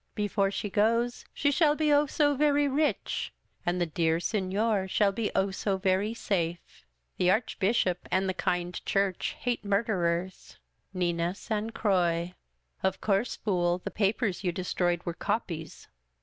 Before she goes, she shall be, Oh so very rich ! and the dear Seiior shall be, Oh so very safe ! The Archbishop and the kind Church hate murderers. " Nina San Croix. " Of course, fool, the papers you destroyed were copies.